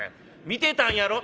見てたんやろ？」。